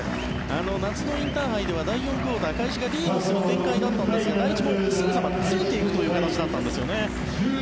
夏のインターハイでは第４クオーター、開志がリードする展開だったんですが第一もすぐさまついていくという形だったんですね。